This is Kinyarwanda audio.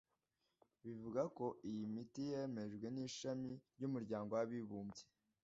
bivugwa ko iyi miti yemejwe n'ishami ry'umuryango w'abibumbye